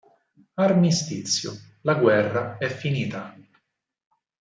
Armistizio: la guerra è finita.